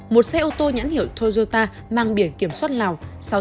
một xe ô tô nhãn hiệu toyota mang biển kiểm soát lào sáu nghìn sáu trăm tám mươi chín